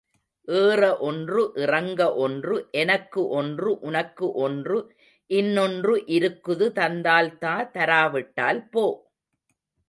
ஏற ஒன்று இறங்க ஒன்று, எனக்கு ஒன்று, உனக்கு ஒன்று, இன்னொன்று இருக்குது தந்தால் தா, தராவிட்டால் போ.